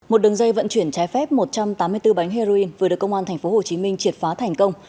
một đường dây vận chuyển trái phép một trăm tám mươi bốn bánh heroin vừa được công an tp hcm triệt phá thành công